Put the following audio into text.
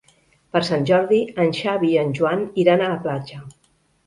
Per Sant Jordi en Xavi i en Joan iran a la platja.